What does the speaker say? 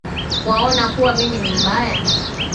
Waona kuwa mimi ni mbaya